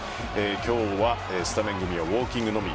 今日はスタメン組はウォーキングのみ。